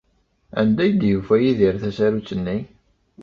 Anda ay d-yufa Yidir tasarut-nni?